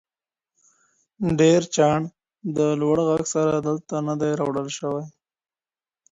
ډېر چاڼ د لوړ ږغ سره دلته نه دی راوړل سوی.